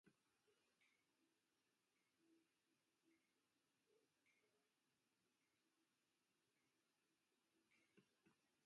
The report noted that uneducated citizens misidentify dogs with wolf-like appearance as wolfdogs.